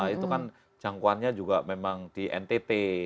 itu kan jangkauannya juga memang di ntt